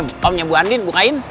eh omnya bu andin bukain